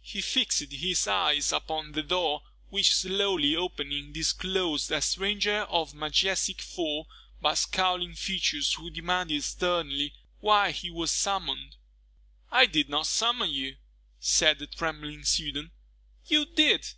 He fixed his eyes upon the door, which, slowly opening, disclosed a stranger of majestic form, but scowling features, who demanded sternly, why he was summoned? "I did not summon you," said the trembling student. "You did!"